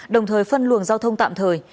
đồng thời phân luồng giao thông tạm thời